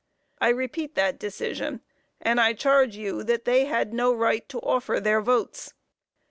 I repeat that decision, and I charge you that they had no right to offer their votes.